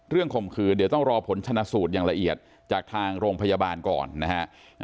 ข่มขืนเดี๋ยวต้องรอผลชนะสูตรอย่างละเอียดจากทางโรงพยาบาลก่อนนะฮะ